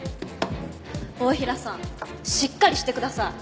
太平さんしっかりしてください。